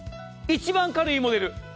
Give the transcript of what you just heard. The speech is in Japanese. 一番軽いモデル。